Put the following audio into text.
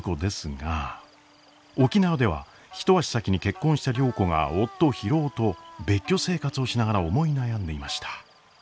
沖縄では一足先に結婚した良子が夫博夫と別居生活をしながら思い悩んでいました。